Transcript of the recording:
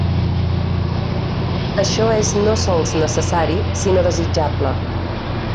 Això és no sols necessari, sinó desitjable.